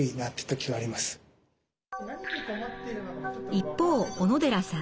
一方小野寺さん。